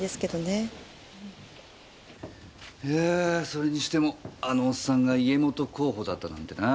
それにしてもあのオッサンが家元候補だったなんてな。